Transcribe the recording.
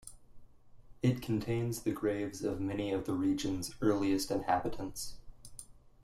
It contains the graves of many of the region's earliest inhabitants.